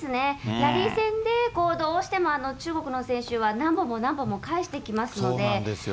ラリー戦で、どうしても中国の選手は、何本も何本も返してきますので。